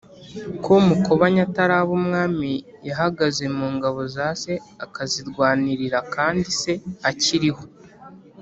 ko mukobanya ataraba umwami yahagaze mu ngabo za se akazirwanirira kandi se akiriho